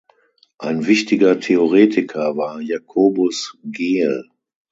Ein wichtiger Theoretiker war Jacobus Geel.